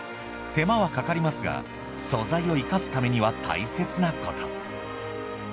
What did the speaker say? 手間はかかりますが素材を活かすためには大切なこと。